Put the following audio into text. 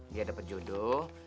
biar dapat jodoh